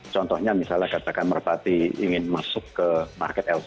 contohnya misalnya katakan merpati ingin masuk ke market lp